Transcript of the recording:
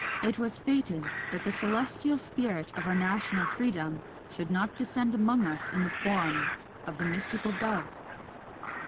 It was fated that the celestial spirit of our national freedom should not descend among us in the form of the mystical dove!